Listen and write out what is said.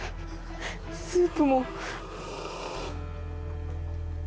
スープも。